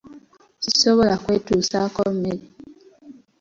Sisobola kwetuusaako mmere.